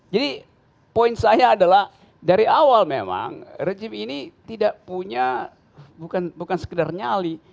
jadi poin saya adalah dari awal memang rejim ini tidak punya bukan sekedar nyali